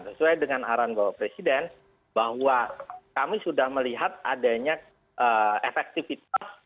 sesuai dengan arahan bapak presiden bahwa kami sudah melihat adanya efektivitas